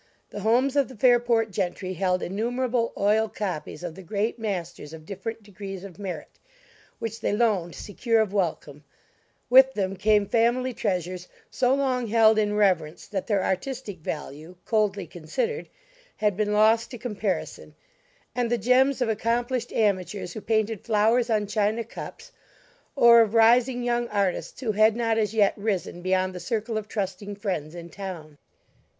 The homes of the Fairport gentry held innumerable oil copies of the great masters of different degrees of merit, which they loaned secure of welcome; with them came family treasures so long held in reverence that their artistic value (coldly considered) had been lost to comparison, and the gems of accomplished amateurs who painted flowers on china cups, or of rising young artists who had not as yet risen beyond the circle of trusting friends in town.